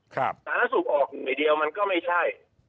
สาธารณสุขออกหน่วยเดียวมันก็ไม่ใช่